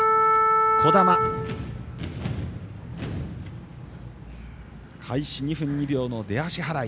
児玉、開始２分２秒の出足払い。